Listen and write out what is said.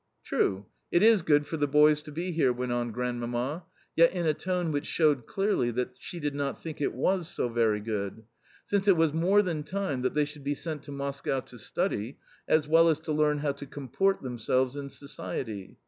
"True, it is good for the boys to be here," went on Grandmamma, yet in a tone which showed clearly that she did not think it was so very good, "since it was more than time that they should be sent to Moscow to study, as well as to learn how to comport themselves in society.